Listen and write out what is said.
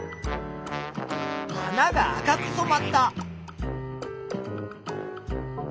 花が赤くそまった。